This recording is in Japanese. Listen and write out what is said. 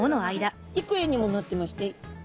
はい幾重にもなってまして。